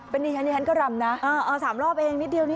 เป็นอีฮันก็ลำนะเอา๓รอบเองนิดเดียว